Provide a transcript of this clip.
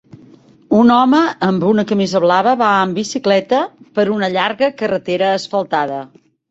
Un home amb una camisa blava va en bicicleta per una llarga carretera asfaltada.